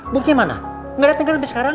buknya mana nggak ditinggal sampai sekarang